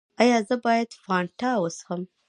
ایا زه باید فانټا وڅښم؟